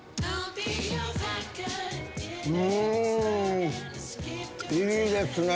うーん、いいですね。